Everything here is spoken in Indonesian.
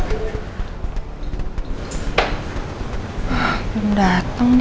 belum dateng dia